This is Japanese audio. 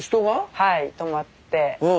はい泊まって。